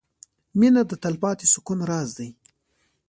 • مینه د تلپاتې سکون راز دی.